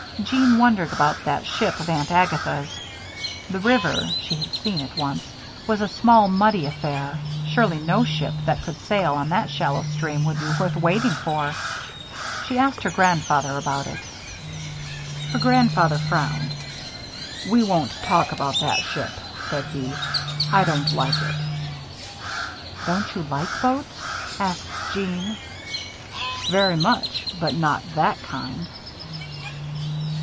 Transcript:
Jeanne wondered about that ship of Aunt Agatha's. The river she had seen it once was a small, muddy affair. Surely no ship that could sail up that shallow stream would be worth waiting for. She asked her grandfather about it. Her grandfather frowned. "We won't talk about that ship," said he. "I don't like it!" "Don't you like boats?" asked Jeanne. "Very much, but not that kind."